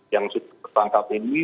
yang ditangkap ini